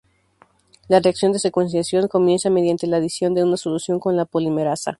La reacción de secuenciación comienza mediante la adición de una solución con la polimerasa.